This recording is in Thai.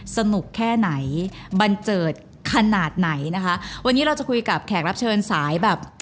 สนุกแค่ไหนบันเจิดขนาดไหนนะคะวันนี้เราจะคุยกับแขกรับเชิญสายแบบ